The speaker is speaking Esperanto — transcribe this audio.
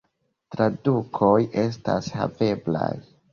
Tradukoj estas haveblaj.